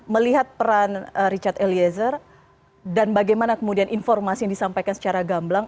melihat peran richard eliezer dan bagaimana kemudian informasi yang disampaikan secara gamblang